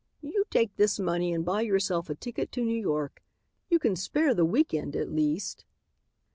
"You take this money and buy yourself a ticket to New York. You can spare the week end at least.